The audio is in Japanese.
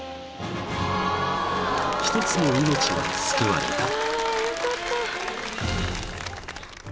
［１つの命が救われた］